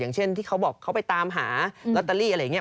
เช่นที่เขาบอกเขาไปตามหาลอตเตอรี่อะไรอย่างนี้